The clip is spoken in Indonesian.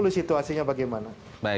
lihat dulu situasinya bagaimana